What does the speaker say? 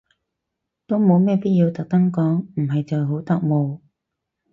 都冇咩必要特登講，唔係就好突兀